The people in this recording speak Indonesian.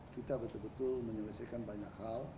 kita betul betul menyelesaikan banyak hal